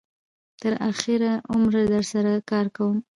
یا تر آخره عمره در سره کار کوم.